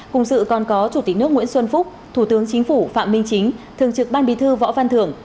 cùng dự còn có chủ tịch nước nguyễn xuân phúc thủ tướng chính phủ phạm minh chính thường trực ban bí thư võ văn thưởng